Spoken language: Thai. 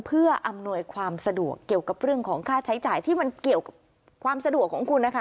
เพื่ออำนวยความสะดวกเกี่ยวกับเรื่องของค่าใช้จ่ายที่มันเกี่ยวกับความสะดวกของคุณนะคะ